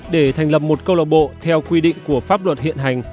để thành lập một câu lạc bộ theo quy định của pháp luật hiện hành